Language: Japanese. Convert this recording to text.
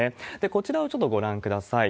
こちらをちょっとご覧ください。